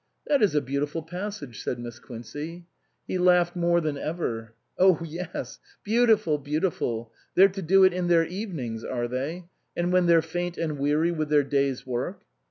" That is a beautiful passage," said Miss Quincey. He laughed more than ever. " Oh yes, beautiful, beautiful. They're to do it in their evenings, are they ? And when they're faint and weary with their day's work